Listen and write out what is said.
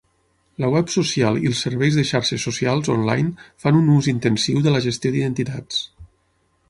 La web social i els serveis de xarxes socials on-line fan un ús intensiu de la gestió d'identitats.